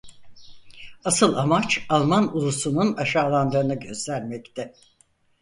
Asıl amaç Alman ulusunun aşağılandığını göstermekti.